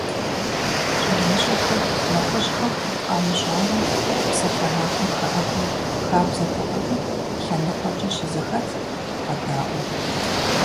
ЩӀалэщӀэхэр нэхъыжьхэм хуит къамыщӀауэ псалъэмакъым хэӀэбэу хабзэтэкъыми, лъэныкъуэкӀэ щызэхэтт, къэдаӀуэу.